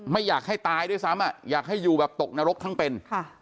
ไม่อยากให้ตายด้วยซ้ำอยากให้อยู่แบบตกนรกทั้งเป็น